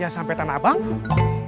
masa ada tanah abang di rumah